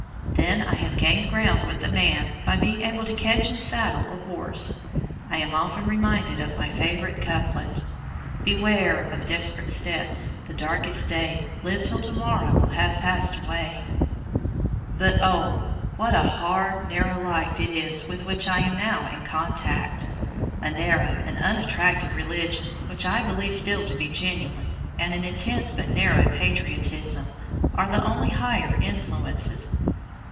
Then I have gained ground with the man by being able to catch and saddle a horse. I am often reminded of my favorite couplet, Beware of desperate steps; the darkest day, Live till to morrow, will have passed away. But oh! what a hard, narrow life it is with which I am now in contact! A narrow and unattractive religion, which I believe still to be genuine, and an intense but narrow patriotism, are the only higher influences.